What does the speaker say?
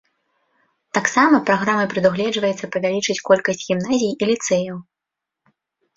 Таксама праграмай прадугледжваецца павялічыць колькасць гімназій і ліцэяў.